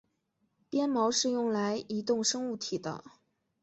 鞭毛是用来移动生物体的。